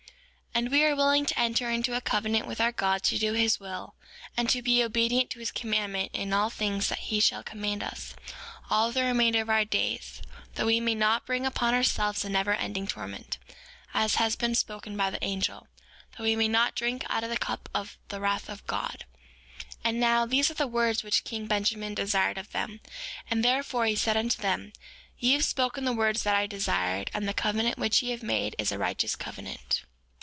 5:5 And we are willing to enter into a covenant with our God to do his will, and to be obedient to his commandments in all things that he shall command us, all the remainder of our days, that we may not bring upon ourselves a never ending torment, as has been spoken by the angel, that we may not drink out of the cup of the wrath of God. 5:6 And now, these are the words which king Benjamin desired of them; and therefore he said unto them: Ye have spoken the words that I desired; and the covenant which ye have made is a righteous covenant.